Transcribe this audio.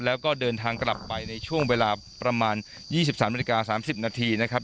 แล้วก็เดินทางกลับไปในช่วงเวลาประมาณ๒๓นาฬิกา๓๐นาทีนะครับ